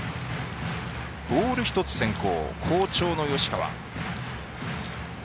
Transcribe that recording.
ボール１つ先行好調の吉川。